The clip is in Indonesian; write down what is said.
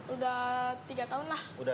udah tiga tahun lah